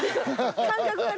感覚がね。